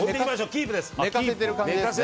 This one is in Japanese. キープです。